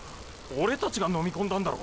オレたちがのみ込んだんだろ？